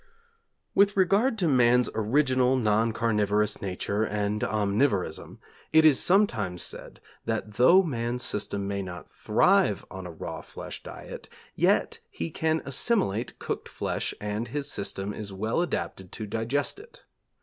With regard to man's original non carnivorous nature and omnivorism, it is sometimes said that though man's system may not thrive on a raw flesh diet, yet he can assimilate cooked flesh and his system is well adapted to digest it.